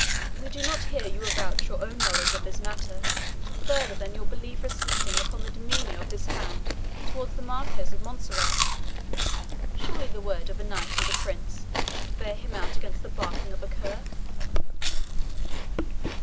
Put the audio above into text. We do not hear you avouch your own knowledge of this matter, further than your belief resting upon the demeanour of this hound towards the Marquis of Montserrat. Surely the word of a knight and a prince should bear him out against the barking of a cur?"